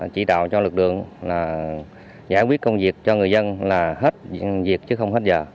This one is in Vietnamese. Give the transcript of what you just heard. chỉ đạo cho lực lượng là giải quyết công việc cho người dân là hết việc chứ không hết giờ